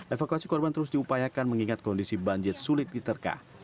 evakuasi korban terus diupayakan mengingat kondisi banjir sulit diterkah